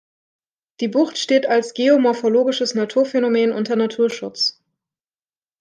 Die Bucht steht als geomorphologisches Naturphänomen unter Naturschutz.